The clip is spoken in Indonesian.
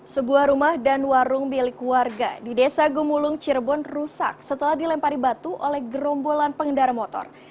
sebuah rumah dan warung milik warga di desa gumulung cirebon rusak setelah dilempari batu oleh gerombolan pengendara motor